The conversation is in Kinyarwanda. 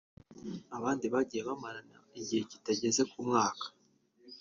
Abandi bagiye bamarana igihe kitageze ku mwaka